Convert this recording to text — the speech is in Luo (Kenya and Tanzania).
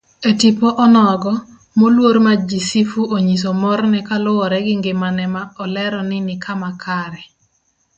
Etipo onogo, moluor Majisifu onyiso morne kaluwore gi ngimane ma olero ni nikama kare.